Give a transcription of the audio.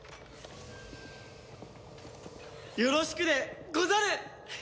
よろしくでござる！